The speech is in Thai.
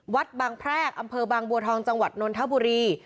วัดบางแพรกอำเภอบางบัวทองจังหวัดนนทบุรี